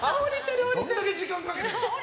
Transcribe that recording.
どんだけ時間かけてんだ。